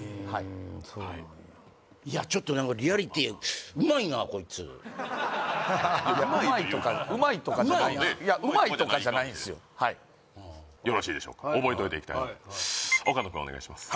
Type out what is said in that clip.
そうなんやいやちょっと何かリアリティうまいとかうまいとかじゃないんすうまいないやうまいとかじゃないんすよよろしいでしょうか覚えといて岡野君お願いします